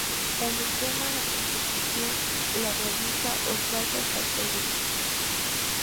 En el tema la percusión la realiza Osvaldo Fattoruso.